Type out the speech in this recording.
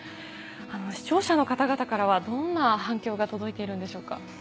視聴者の方々からはどんな反響が届いているんでしょうか？